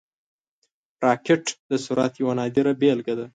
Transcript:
راکټ د سرعت یوه نادره بیلګه ده